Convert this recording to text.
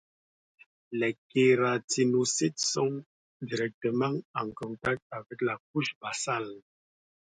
Les kératinocytes sont directement en contact avec la couche basale.